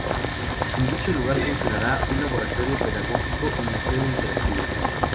En dicho lugar funcionará un laboratorio pedagógico y museo interactivo.